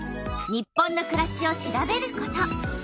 「日本のくらし」を調べること。